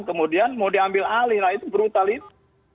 kemudian mau diambil alih nah itu brutal itu